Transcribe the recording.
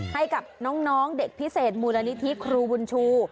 ให้กับน้องเด็กพิเศษมูลนิธิครูบุญชู